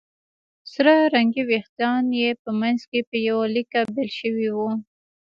سره رنګي وېښتان یې په منځ کې په يوه ليکه بېل شوي وو